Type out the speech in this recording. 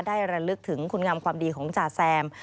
ระลึกถึงคุณงามความดีของจ่าแซม